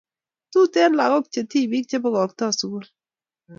Tuten lakok che tipik che pakakta sukul